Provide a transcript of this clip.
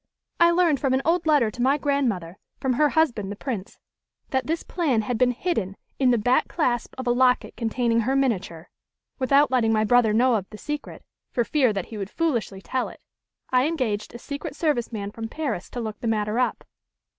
I learned from an old letter to my grandmother, from her husband the Prince, that this plan had been hidden in the back clasp of a locket containing her miniature. Without letting my brother know of the secret, for fear that he would foolishly tell it, I engaged a secret service man from Paris to look the matter up.